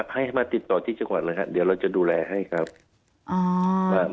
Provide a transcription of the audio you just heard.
ให้มาติดต่อที่จังหวัดเลยครับเดี๋ยวเราจะดูแลให้ครับอ่า